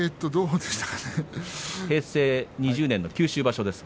平成２０年九州場所です。